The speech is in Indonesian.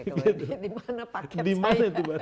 kalau di mana paket saya